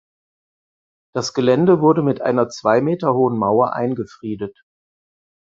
Das Gelände wurde mit einer zwei Meter hohen Mauer eingefriedet.